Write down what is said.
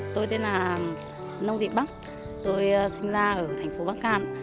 tôi tên là nông thị bắc tôi sinh ra ở thành phố bắc cạn